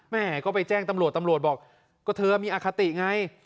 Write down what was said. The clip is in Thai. แม่ก็ไปแจ้งตำรวจตำรวจบอกก็เธอมีอคติไง